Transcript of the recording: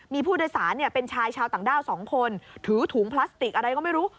มีผู้โดยสารเป็นชายชาวต่างด้าว๒คนถือถุงพลาสติกอะไรก็ไม่รู้